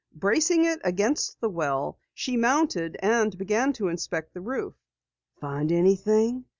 Bracing it against the well, she mounted and began to inspect the roof. "Find anything?"